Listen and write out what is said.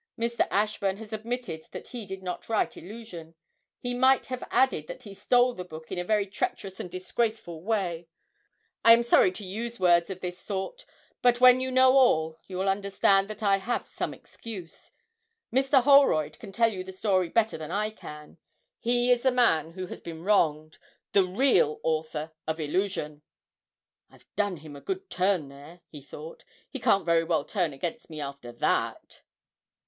Mr. Ashburn has admitted that he did not write "Illusion:" he might have added that he stole the book in a very treacherous and disgraceful way. I am sorry to use words of this sort, but when you know all, you will understand that I have some excuse. Mr. Holroyd can tell you the story better than I can: he is the man who has been wronged, the real author of "Illusion"!' 'I've done him a good turn there,' he thought; 'he can't very well turn against me after that!'